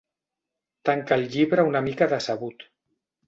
Tanca el llibre una mica decebut.